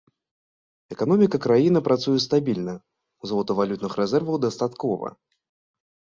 Эканоміка краіны працуе стабільна, золатавалютных рэзерваў дастаткова.